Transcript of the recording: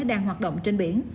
đang hoạt động trên biển